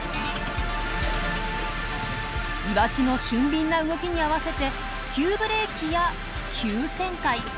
イワシの俊敏な動きに合わせて急ブレーキや急旋回。